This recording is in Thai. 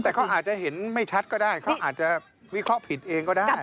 แต่เขาอาจจะเห็นไม่ชัดก็ได้เขาอาจจะวิเคราะห์ผิดเองก็ได้